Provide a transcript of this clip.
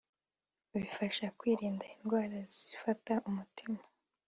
Bifasha kwirinda indwara zifata umutima